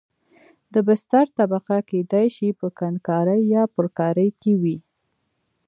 د بستر طبقه کېدای شي په کندنکارۍ یا پرکارۍ کې وي